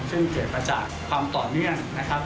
ซึ่งเกิดมาจากความต่อเนื่องนะครับ